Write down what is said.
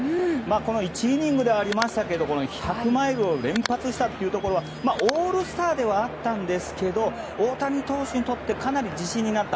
１イニングではありましたけど１００マイルを連発したのはオールスターではあったんですが大谷投手にとってかなり自信になった。